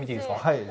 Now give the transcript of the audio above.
はい。